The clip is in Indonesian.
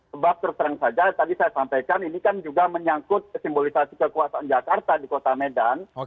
sebab terus terang saja tadi saya sampaikan ini kan juga menyangkut simbolisasi kekuasaan jakarta di kota medan